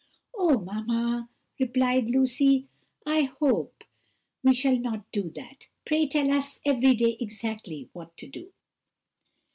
"Oh, mamma," replied Lucy, "I hope that we shall not do that: pray tell us every day exactly what to do."